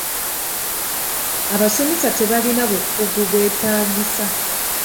Abasomesa tebalina bukugu bweetaagisa.